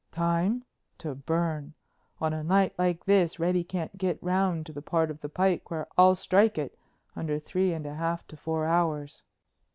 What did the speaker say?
"Time?—to burn. On a night like this Reddy can't get round to the part of the pike where I'll strike it under three and a half to four hours."